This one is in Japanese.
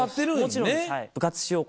もちろんです。